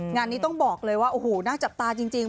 งานนี้ต้องบอกเลยว่าโอ้โหน่าจับตาจริง